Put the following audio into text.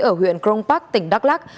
ở huyện crong park tỉnh đắk lắc